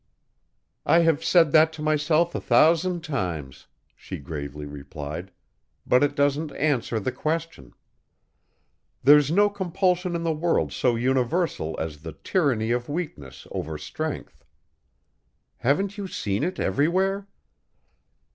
"I have said that to myself a thousand times," she gravely replied, "but it doesn't answer the question. There's no compulsion in the world so universal as the tyranny of weakness over strength. Haven't you seen it everywhere?